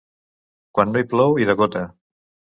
Quan no hi plou, hi degota.